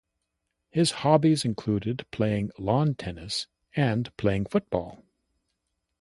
His hobbies included playing lawn tennis and playing football.